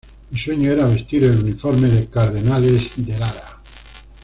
Mi sueño era vestir el uniforme de Cardenales de Lara.